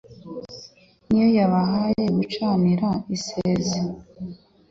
Ni yo yabahaye gucanira izeze